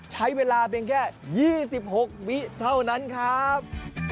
ใช้เวลาเพียงแค่๒๖วิเท่านั้นครับ